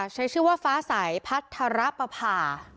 ใช้ชื่อว่าฟ้าสายพัทรปภา